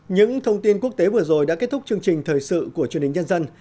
những thông tin quốc tế vừa rồi đã kết thúc chương trình thời sự của truyền hình nhân dân